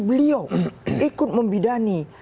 beliau ikut membidani